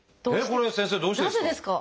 これ先生どうしてですか？